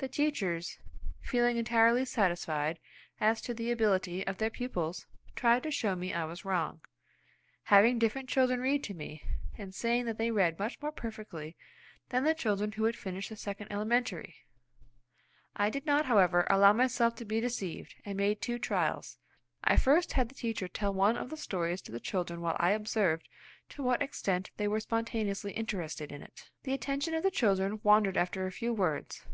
The teachers, feeling entirely satisfied as to the ability of their pupils, tried to show me I was wrong, having different children read to me, and saying that they read much more perfectly than the children who had finished the second elementary. I did not, however, allow myself to be deceived, and made two trials. I first had the teacher tell one of the stories to the children while I observed to what extent they were spontaneously interested in it. The attention of the children wandered after a few words.